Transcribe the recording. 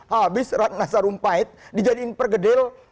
habis rana sarumpait dijadiin pergedil